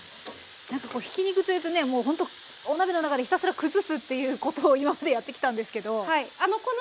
何かひき肉というとねもうほんとお鍋の中でひたすら崩すっていうことを今までやってきたんですけど。